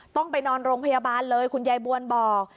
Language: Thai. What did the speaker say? ต้องไปนอนโรงพยาบาลเลยคุณยายบวลบอก